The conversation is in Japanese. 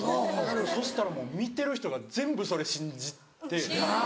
そしたらもう見てる人が全部それ信じて。